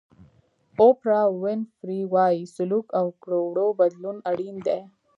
اوپرا وینفري وایي سلوک او کړو وړو بدلون اړین دی.